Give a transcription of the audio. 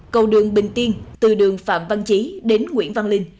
cầu đường bình tiên từ đường phạm văn chí đến đường bình tiên